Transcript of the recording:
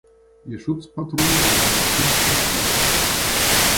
Ihr Schutzpatron ist Martin von Tours.